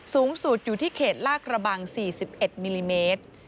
สูงสุดอยู่ที่เขตลาดกระบัง๔๑มิลลิเมตร